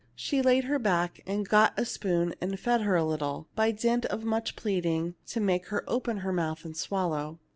She laid her back, and got a spoon and fed her a little, by dint of much pleading to make her open her mouth and swallow.